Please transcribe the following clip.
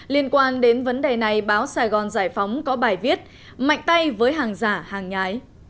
liên quan đến vấn đề này báo sài gòn giải phóng có bài viết mạnh tay với hàng giả hàng nhái